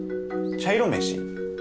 茶色めし？